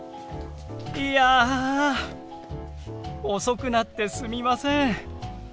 いや遅くなってすみません！